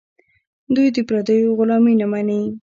دوی د پردیو غلامي نه مني.